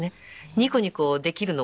ニコニコできるのもね